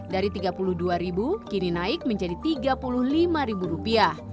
dari rp tiga puluh dua kini naik menjadi rp tiga puluh lima